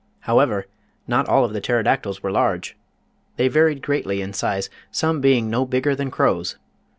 However, not all of the Pterodac tyls were large. They varied greatly in size, some being no bigger than crows.